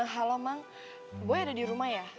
halo emang boy ada di rumah ya